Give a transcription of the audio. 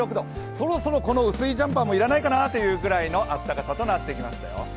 そろそろ薄いジャンパーもいらないくらいの暖かさとなってきましたよ。